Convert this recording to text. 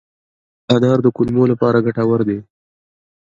انار د کولمو لپاره ګټور دی.